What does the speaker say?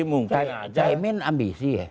mungkinkan aja caimin ambisi ya